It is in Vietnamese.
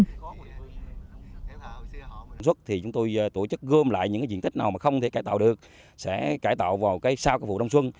nếu có một dịch vụ sản xuất thì chúng tôi tổ chức gom lại những diện tích nào không thể cải tạo được sẽ cải tạo vào sau phụ đông xuân